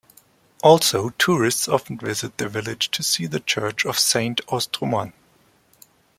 Also, tourists often visit the village to see the church of Saint-Austremoine.